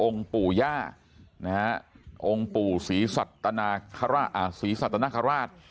องค์ปู่ญานะฮะองค์ปู่ศรีศตนคาราช